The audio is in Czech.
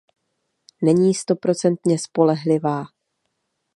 Není stoprocentně spolehlivá.